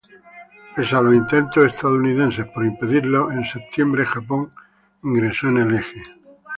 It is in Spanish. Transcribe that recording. Pese a los intentos estadounidenses por impedirlo, en septiembre Japón ingresó en el Eje.